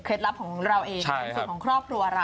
กรุงให้อบอบปวนเส้น